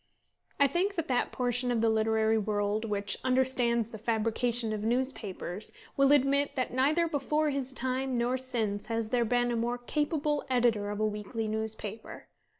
I think that that portion of the literary world which understands the fabrication of newspapers will admit that neither before his time, nor since, has there been a more capable editor of a weekly newspaper.